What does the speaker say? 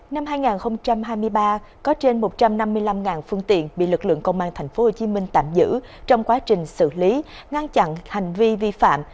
năm hai nghìn hai mươi ba có trên một trăm năm mươi năm phương tiện bị lực lượng công an tp hcm tạm giữ trong quá trình xử lý ngăn chặn hành vi vi phạm